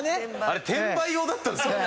あれ転売用だったんですか？